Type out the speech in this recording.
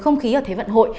không khí ở thế vận hội